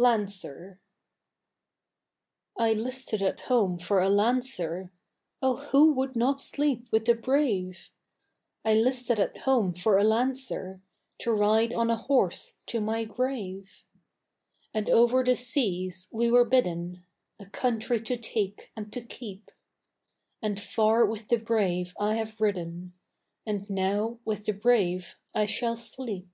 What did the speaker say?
LANCER I 'listed at home for a lancer, Oh who would not sleep with the brave? I 'listed at home for a lancer To ride on a horse to my grave. And over the seas we were bidden A country to take and to keep; And far with the brave I have ridden, And now with the brave I shall sleep.